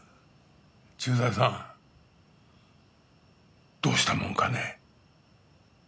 駐在さんどうしたものかね？